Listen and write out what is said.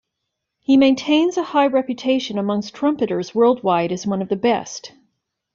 He maintains a high reputation amongst trumpeters worldwide as one of the best.